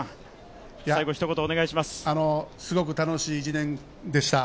すごく楽しい１年でした。